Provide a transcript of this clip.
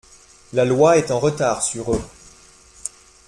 La loi est en retard sur eux.